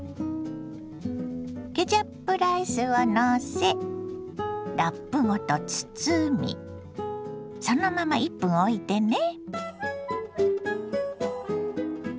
ケチャップライスをのせラップごと包みそのまま１分おいてね。